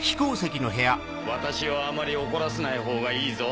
私をあまり怒らせないほうがいいぞ。